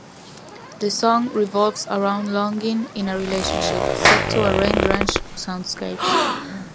The song revolves around longing in a relationship, set to a rain-drenched soundscape.